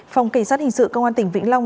phòng cảnh sát hình sự công an tỉnh vĩnh long